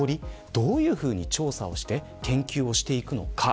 どのように調査をして研究していくのか。